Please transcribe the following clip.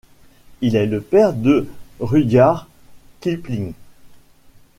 Il est le père de Rudyard Kipling.